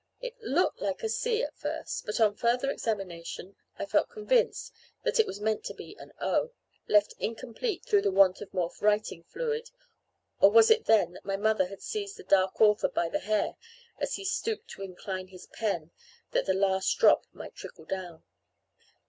It looked like C at first, but upon further examination I felt convinced that it was meant for an O, left incomplete through the want of more writing fluid; or was it then that my mother had seized the dark author by the hair, as he stooped to incline his pen that the last drop might trickle down?